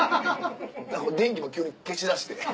電気も急に消しだして。